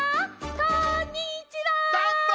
こんにちは！